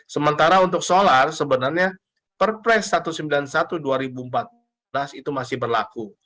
sementara untuk solar sebenarnya perpres satu ratus sembilan puluh satu dua ribu empat belas itu masih berlaku